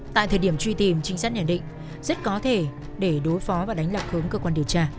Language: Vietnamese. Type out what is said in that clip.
tại thời điểm truy tìm trinh sát nhận định rất có thể để đối phó và đánh lạc hướng cơ quan điều tra